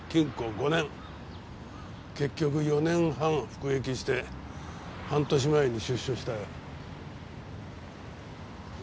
結局４年半服役して半年前に出所したよ。